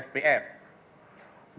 dr amar singh